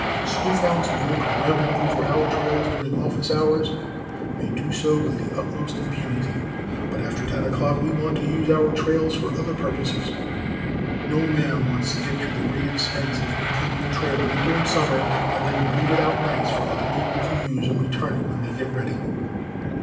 Sleuth hounds who want to ramble over our trails during office hours may do so with the utmost impunity, but after ten o'clock we want to use our trails for other purposes. No man wants to go to the great expense of maintaining a trail winter and summer, and then leave it out nights for other people to use and return it when they get ready.